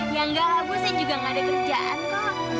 ya enggak lah ibu saya juga gak ada kerjaan kok